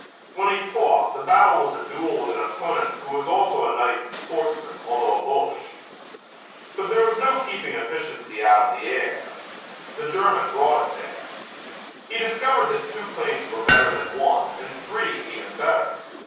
When he fought the battle was a duel with an opponent who was also a knight and sportsman although a Boche. But there was no keeping efficiency out of the air. The German brought it there. He discovered that two planes were better than one and three even better.